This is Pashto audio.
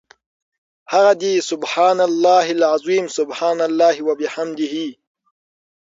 هغه دي سُبْحَانَ اللَّهِ العَظِيمِ، سُبْحَانَ اللَّهِ وَبِحَمْدِهِ .